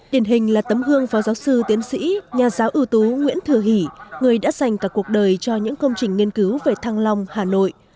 điển hình là tấm gương phó giáo sư tiến sĩ nhà giáo ưu tú nguyễn thừa hỷ người đã dành cả cuộc đời cho những công trình nghiên cứu về thăng long hà nội